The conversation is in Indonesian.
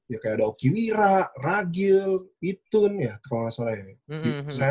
ya kayak ada okiwira ragil itun ya kalau nggak salah ya